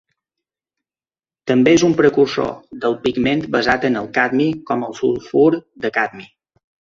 També és un precursor del pigment basat en el cadmi com el sulfur de cadmi.